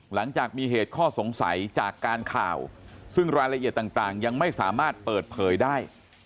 หลังจากมีเหตุข้อสงสัยจากการข่าวซึ่งรายละเอียดต่างยังไม่สามารถเปิดเผยได้